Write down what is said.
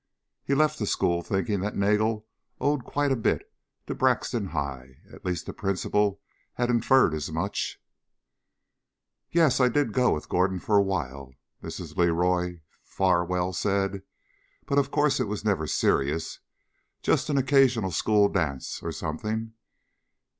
He left the school thinking that Nagel owed quite a lot to Braxton High. At least the principal had inferred as much. "Yes, I did go with Gordon for a while," Mrs. LeRoy Farwell said. "But of course it was never serious. Just an occasional school dance or something.